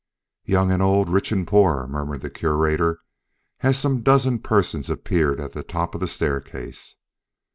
"Young and old, rich and poor," murmured the Curator as some dozen persons appeared at the top of the staircase.